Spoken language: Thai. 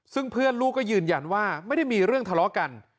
ซึ่งเพื่อนลูกก็ยืนยันว่าไม่ได้มีเรื่องทะเลาะกัน